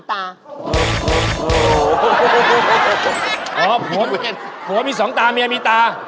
ผัวมีสองตาเมียมีตา